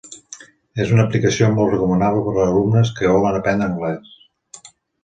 És una aplicació molt recomanable per alumnes que volen aprendre anglès.